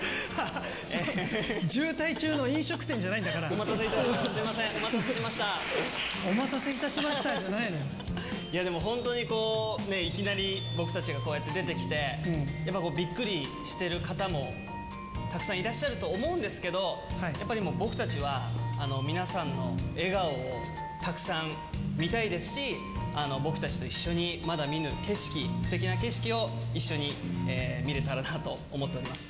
渋滞中の飲食店じゃないんだお待たせいたしました、お待たせいたしましたじゃないやでも、本当にいきなり僕たちがこうやって出てきて、やっぱりびっくりしている方もたくさんいらっしゃると思うんですけど、やっぱりもう、僕たちは皆さんの笑顔をたくさん見たいですし、僕たちと一緒にまだ見ぬ景色、すてきな景色を一緒に見れたらなと思っております。